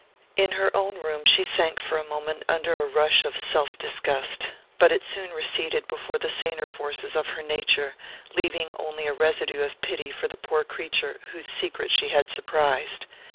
In her own room she sank for a moment under a rush of self disgust; but it soon receded before the saner forces of her nature, leaving only a residue of pity for the poor creature whose secret she had surprised.